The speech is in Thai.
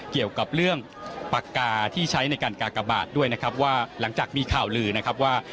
เกี่ยวกับเรื่องปากกาที่ใช้ในการกากบาทด้วยนะครับว่าหลังจากมีข่าวลือนะครับว่า